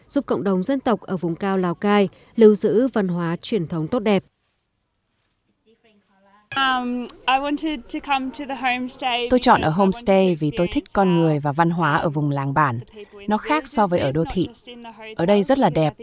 giúp cộng đồng dân tộc ở vùng cao lào cai lưu giữ văn hóa truyền thống tốt đẹp